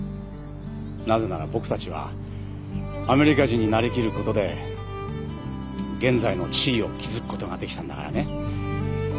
なぜなら僕たちはアメリカ人になりきることで現在の地位を築くことができたんだからね。